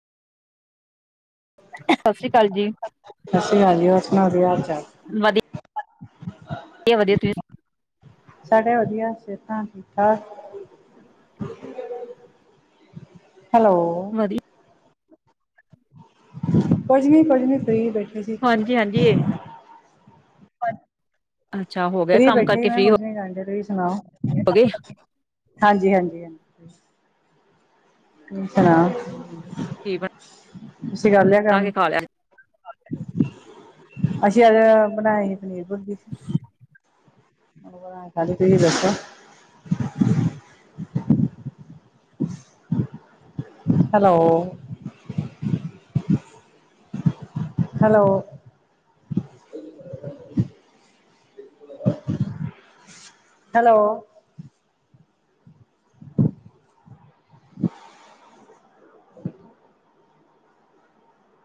ਸਤਿ ਸ੍ਰੀ ਅਕਾਲ ਜੀ, ਸਤ ਸਿ੍ ਅਕਾਲ ਹੋਰ ਸੁਣਾਓ ਕੀ ਹਾਲਚਾਲ ਹੈ [inaudible] ਵਧੀਆ ਵਧੀਆ ਤੁਸੀਂ ਸਾਡੇ ਵਧੀਆ ਸਿਹਤਾਂ ਠੀਕ ਠਾਕ ਹੈਲੋ [unintelligible] ਕੁਜ ਨਹੀ ਕੁਜ ਫਰੀ ਬ ਹਾਂਜੀ ਹਾਂਜੀ ਅੱਛਾ ਹੋ ਗਏ ਫੀ ਕੰਮ ਬੈਠੇ ਸੀ ਮੈਂ ਕਰਕੇ ਕਿਹਾ ਫ੍ਰਰੀ ਹੋ ਕੁੱਝ ਨੀ ਕਰਦੇ ਤੁਸੀਂ ਸੁਣਾਓ ਗਏ, ਹਾਂਜੀ ਹਾਂਜੀ ਸੁਣਾ। ਹਮ ਕੀ। ਤੁਂ ਕਰ ਲਿਆ ਬਣਾ ਕੰਮ। ਕੇ ਖਾ ਲਿਆ? ਅਸੀਂ ਅਜ ਬਣਾਏ ਸੀ ਪਨੀਰ ਭੁਰਜੀ। [inaudible] ਖਾਲੀ ਤੁਸੀਂ ਦੱਸੋ। ਹੈਲੋ। ਹੈਲੋ। ਹੈਲੋ।